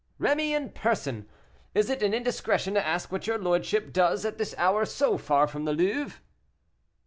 "Rémy, in person. Is it an indiscretion to ask what your lordship does at this hour so far from the Louvre?"